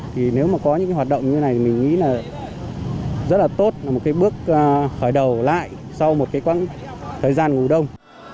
thì nếu mà có những cái hoạt động như này mình nghĩ là rất là tốt là một cái bước khởi đầu lại sau một cái quãng thời gian ngủ đông